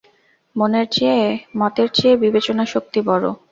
মতের চেয়ে বিবেচনাশক্তি বড়ো।